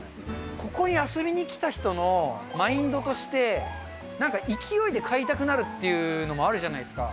ここに遊びにきた人のマインドとして、なんか勢いで買いたくなるっていうのもあるじゃないですか。